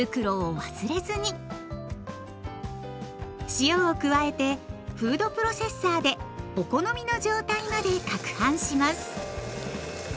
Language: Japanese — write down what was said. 塩を加えてフードプロセッサーでお好みの状態までかくはんします。